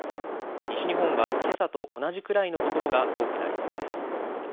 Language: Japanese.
西日本はけさと同じくらいの所が多くなりそうです。